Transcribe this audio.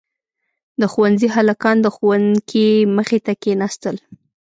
• د ښونځي هلکان د ښوونکي مخې ته کښېناستل.